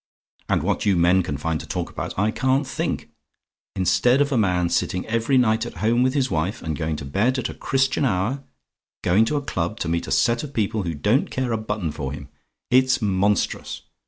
"And what you men can find to talk about I can't think! Instead of a man sitting every night at home with his wife, and going to bed at a Christian hour, going to a club, to meet a set of people who don't care a button for him it's monstrous!